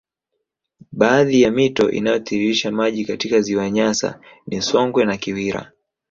Baadhi ya mito inayotiririsha maji katika ziwa Nyasa ni Songwe na Kiwira